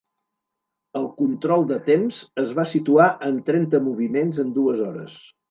El control de temps es va situar en trenta moviments en dues hores.